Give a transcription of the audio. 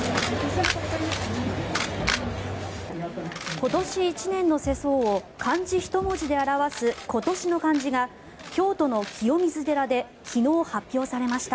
今年１年の世相を漢字１文字で表す今年の漢字が京都の清水寺で昨日、発表されました。